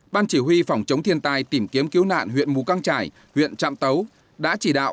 ban chỉ huy phòng chống thiên tai tìm kiếm cứu nạn huyện mù căng trải huyện trạm tấu đã chỉ đạo